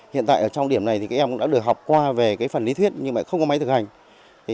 hiện tại ở trong điểm này thì các em cũng đã được học qua về phần lý thuyết nhưng lại không có máy thực hành